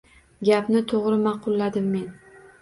Gaping to`g`ri, ma`qulladim men